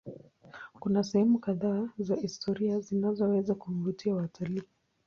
Kuna sehemu kadhaa za kihistoria zinazoweza kuvutia watalii.